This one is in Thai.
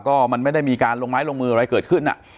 ก็มันไม่ได้มีการลงไม้ลงมืออะไรเกิดขึ้น